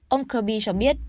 ông kirby cho biết